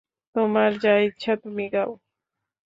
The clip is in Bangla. তোমার যা ইচ্ছা তুমি গাও।